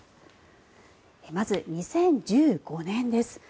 まず、２０１５年です。